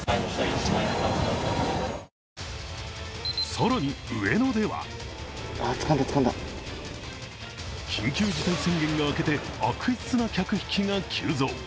更に、上野では緊急事態宣言が明けて悪質な客引きが急増。